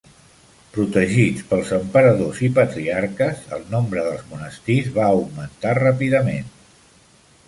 Protegits pels emperadors i patriarques, el nombre dels monestirs va augmentar ràpidament.